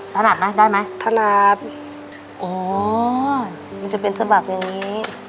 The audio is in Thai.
ถนัดไหมได้ไหมถนัดอ๋อมันจะเป็นฉบับอย่างนี้